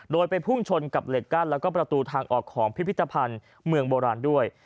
โดยไปพุ่งชนกับเหล็กกั้นแล้วก็ประตูทางออกของพิพิธภัณฑ์เมืองโบราณด้วย